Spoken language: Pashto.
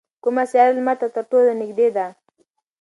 کومه سیاره لمر ته تر ټولو نږدې ده؟